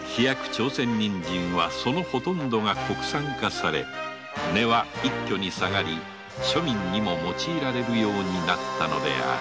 朝鮮人参はそのほとんどが国産化され値は一挙に下がり庶民にも用いられるようになったのである